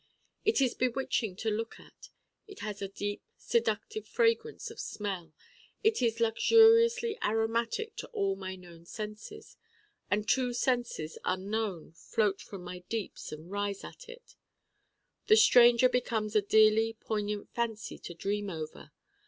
It is bewitching to look at: it has a deep seductive fragrance of smell: it is luxuriantly aromatic to all my known senses and two senses unknown float from my deeps and rise at it. The Stranger becomes a dearly poignant fancy to dream over.